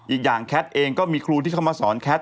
อีกอย่างแคทเองก็มีครูที่เข้ามาสอนแคท